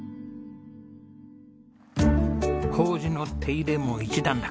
糀の手入れも一段落。